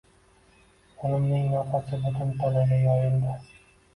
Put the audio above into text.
O`limning nafasi butun tanaga yoyildi